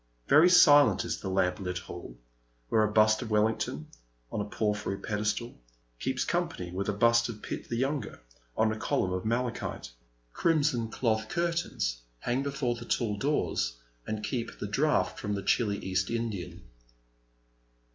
Very silent is the lamplit hall, where a bust of Welhngton, on a porphyry pedestal, keeps com pany with a bust of Pitt the younger, on a column of malachite. Crimson cloth curtains hang before the tall doors, and keep the draught from the chilly East Indian.